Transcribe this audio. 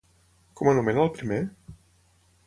Com anomena al primer?